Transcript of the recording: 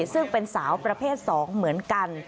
ซึ่งเป็นสาวประเภท๒เหมือนกัน